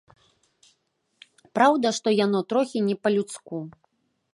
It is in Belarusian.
Праўда, што яно трохі не па-людску.